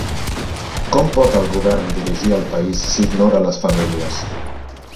Com pot el govern dirigir el país si ignora les famílies?